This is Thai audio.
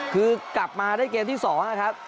คือกลับมาได้เกมที่๒นะครับ